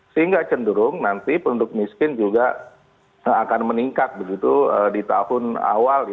sehingga cenderung nanti penduduk miskin juga akan meningkat begitu di tahun awal